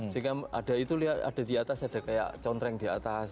sehingga ada itu lihat ada di atas ada kayak contreng di atas